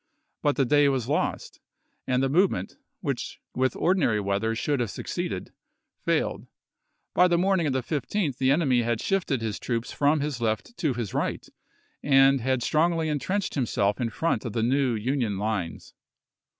But the day was lost, and the movement, which with ordinary weather should have succeeded, failed. By the morning of the 15th the enemy had shifted his troops from his left to his right and had strongly intrenched him self in front of the new Union lines.